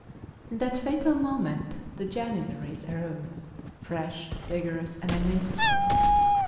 In that fatal moment, the Janizaries arose, fresh, vig orous, and invincible.